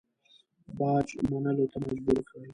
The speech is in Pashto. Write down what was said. باج منلو ته مجبور کړ.